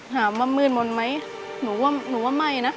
ถามว่ามืดมนไหมหนูว่าไม่นะ